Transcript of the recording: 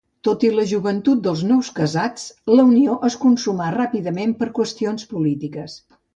Tot i la joventut dels nous casats, la unió es consumà ràpidament per qüestions polítiques.